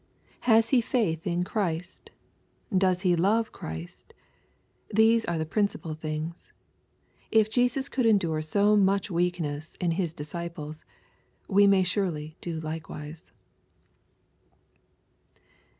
Has he faith in Christ ? Does he love Christ ? These are the principal things. If Jesus could endure so much weakness in His dis ciples, we may surely do likewise.